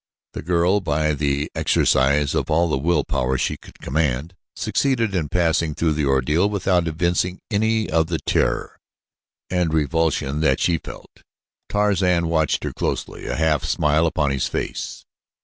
The girl, by the exercise of all the will power she could command, succeeded in passing through the ordeal without evincing any of the terror and revulsion that she felt. Tarzan watched her closely, a half smile upon his face.